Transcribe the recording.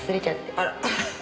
あら。